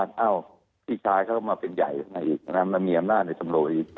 ใครแต่ตอนนั้นเขาเป็นใหญ่อย่างนี้นะเป็นใหญ่